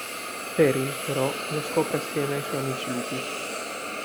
Perrin però lo scopre assieme ai suoi amici lupi.